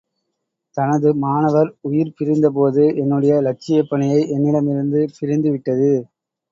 ◯ தனது மாணவர் உயிர் பிரிந்தபோது, என்னுடைய இலட்சியப் பணியை என்னிடம் இருந்து பிரிந்து விட்டது.